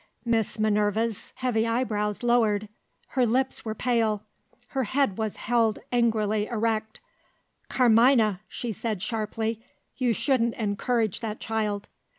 Miss Minerva's heavy eyebrows lowered; her lips were pale; her head was held angrily erect, "Carmina!" she said sharply, "you shouldn't encourage that child."